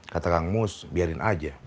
kata kang mus biarin aja